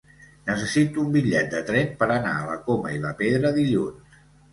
Necessito un bitllet de tren per anar a la Coma i la Pedra dilluns.